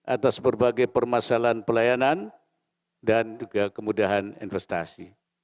atas berbagai permasalahan pelayanan dan juga kemudahan investasi